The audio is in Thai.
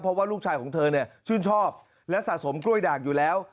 เพราะว่าลูกชายของเธอเนี่ยชื่นชอบและสะสมกล้วยด่างอยู่แล้ว